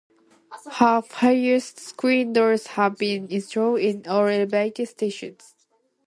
Half-height screen doors have been installed in all elevated stations.